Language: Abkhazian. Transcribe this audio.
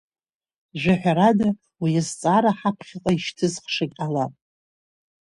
Жәаҳәарада, уи азҵаара ҳаԥхьаҟа ишьҭызхшагьы ҟалап.